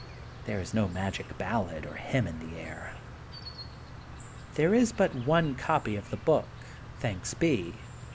There is no magic ballad or hymn in the air. There is but one copy of the book, ''thanks be."